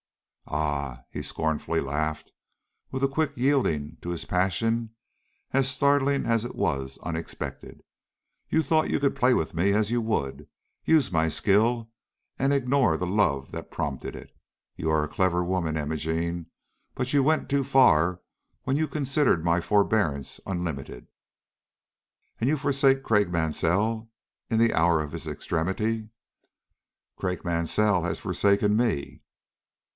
"Ah!" he scornfully laughed, with a quick yielding to his passion as startling as it was unexpected, "you thought you could play with me as you would; use my skill and ignore the love that prompted it. You are a clever woman, Imogene, but you went too far when you considered my forbearance unlimited." "And you forsake Craik Mansell, in the hour of his extremity?" "Craik Mansell has forsaken me."